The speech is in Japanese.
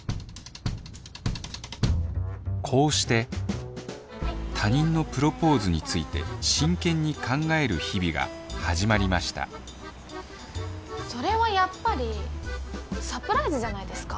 こうして他人のプロポーズについて真剣に考える日々が始まりましたそれはやっぱりサプライズじゃないですか？